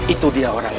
itu dia orangnya